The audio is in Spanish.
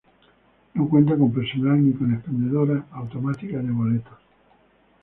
No cuenta con personal ni con expendedora automática de boletos.